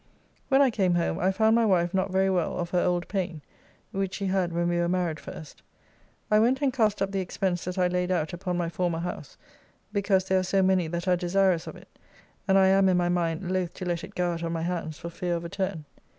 When I came home I found my wife not very well of her old pain.... which she had when we were married first. I went and cast up the expense that I laid out upon my former house (because there are so many that are desirous of it, and I am, in my mind, loth to let it go out of my hands, for fear of a turn).